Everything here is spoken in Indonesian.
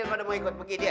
nanti aku ikut pergi dia